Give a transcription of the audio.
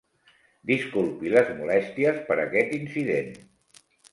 Disculpi les molèsties per aquest incident.